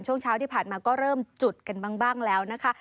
ช่วงเช้าที่ผ่านมาก็เริ่มจุดกันบ้างแล้วนะคะ